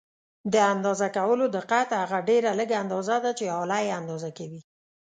د اندازه کولو دقت هغه ډېره لږه اندازه ده چې آله یې اندازه کوي.